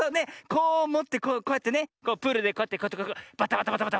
こうもってこうやってねプールでこうやってバタバタバタ。